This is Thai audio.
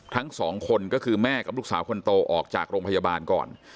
ทั้งสองคนก็คือแม่กับลูกสาวคนโตออกจากโรงพยาบาลก่อน